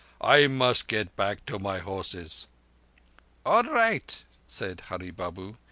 I must get back to my horses." "All raight," said Hurree Babu.